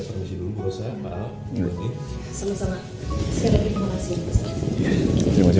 walaupun dia sibuk jualan pempek kering di mesir